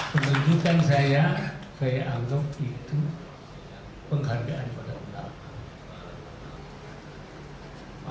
penunjukan saya saya anggap itu penghargaan pada ulama